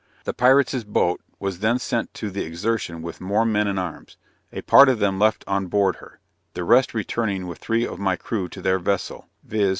The pirates' boat was then sent to the Exertion with more men and arms; a part of them left on board her; the rest returning with three of my crew to their vessel; viz.